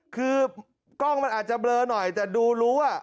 คือกล้องมันอาจจะเบลอหน่อยแต่ดูรู้ว่า